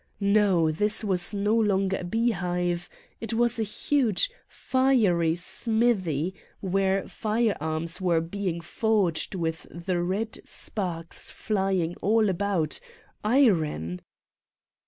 No, this was no longer a beehive : it was a huge, fiery smithy, where firearms were being forged with the red sparks flying all about. Iron!